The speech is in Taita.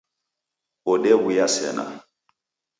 Odew'uya sena